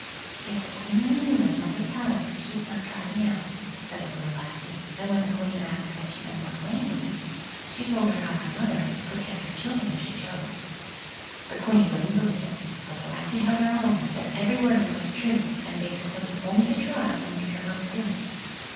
"If the Queen only knew my mother's power, she'd not drive me out", said the little lassie; and when the Queen asked what she meant more plainly, she told her how her mother could get her children if she chose. The Queen wouldn't believe it, but the lassie held her own, and said every word of it was true, and bade the Queen only to try and make her mother do it.